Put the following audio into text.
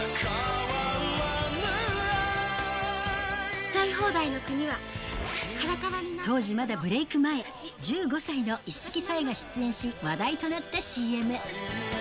したい放題の国は、当時、まだブレイク前、１５歳のいっしきさえが出演し、話題となったＣＭ。